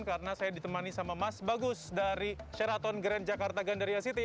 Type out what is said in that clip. karena saya ditemani sama mas bagus dari sheraton grand jakarta gandaria city